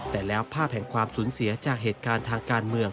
แต่แล้วภาพแห่งความสูญเสียจากเหตุการณ์ทางการเมือง